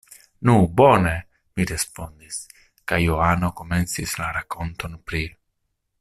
Nu, bone! mi respondis, kaj Johano komencis la rakonton pri: